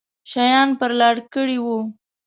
شیان پر لار کړي وو.